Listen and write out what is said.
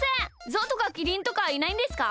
ゾウとかキリンとかいないんですか？